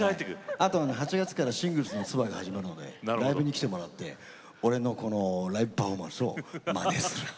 あと８月から「ＳＩＮＧＬＥＳ」のツアーが始まるのでライブに来てもらって俺のこのライブパフォーマンスをまねする。